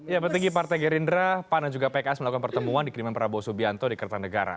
ya petinggi partai gerindra pan dan juga pks melakukan pertemuan di kiriman prabowo subianto di kertanegara